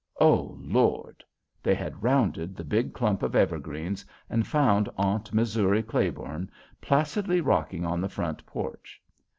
"Oh, Lord!" They had rounded the big clump of evergreens and found Aunt Missouri Claiborne placidly rocking on the front porch!